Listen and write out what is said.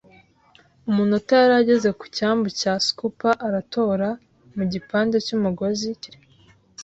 umunota yari ageze ku cyambu cya scuppers aratora, mu gipande cy'umugozi, kirekire